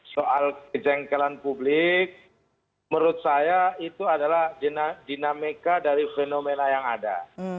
soal kejengkelan publik menurut saya itu adalah dinamika dari fenomena yang ada